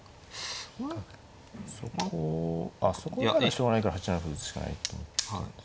そこあそこならしょうがないから８七歩打つしかないと思ったんです。